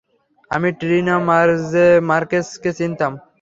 আমি ট্রিনা মার্কেজকে চিনতাম।